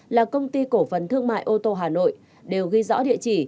là công ty cổ phần thương mại ô tô hà nội đều ghi rõ địa chỉ